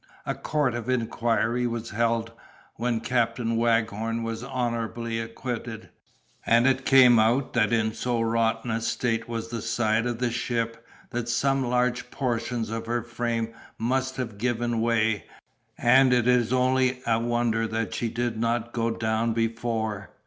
A court of inquiry was held, when Captain Waghorn was honorably acquitted, and it came out, that in so rotten a state was the side of the ship, that some large portions of her frame must have given way, and it is only a wonder that she did not go down before.